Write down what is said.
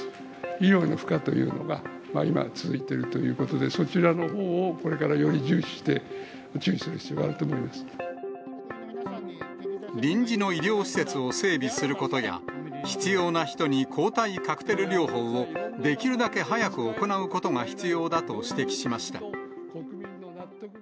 医療の負荷というのが今続いているということで、そちらのほうをこれからより重視して、臨時の医療施設を整備することや、必要な人に抗体カクテル療法をできるだけ早く行うことが必要だと指摘しました。